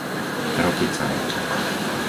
Rokycany